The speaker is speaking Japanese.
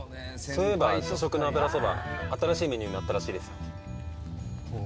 そういえば社食の油そば新しいメニューになったらしいですよ。